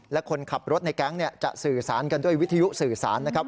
และคนขับรถในแก๊งจะสื่อสารกันด้วยวิทยุสื่อสารนะครับ